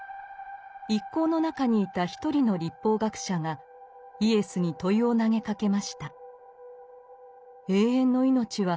一行の中にいた一人の律法学者がイエスに問いを投げかけました。